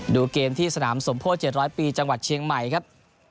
ดูเกมที่สนามสมโพธิ๗๐๐ปีจังหวัดเชียงใหม่ครับ